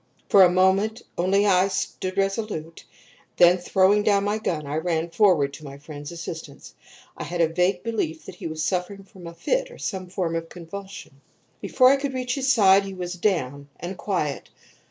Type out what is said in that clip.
"For a moment only I stood irresolute, then, throwing down my gun, I ran forward to my friend's assistance. I had a vague belief that he was suffering from a fit or some form of convulsion. Before I could reach his side he was down and quiet.